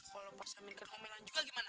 kalau pak samin kena ngomelan juga gimana